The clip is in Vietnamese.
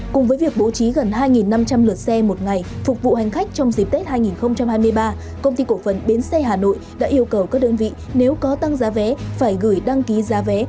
cùng với việc bố trí gần hai năm trăm linh lượt xe một ngày phục vụ hành khách trong dịp tết hai nghìn hai mươi ba công ty cổ phần bến xe hà nội đã yêu cầu các đơn vị nếu có tăng giá vé phải gửi đăng ký giá vé